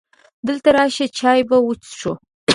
دلته راشه! چای به وڅښو .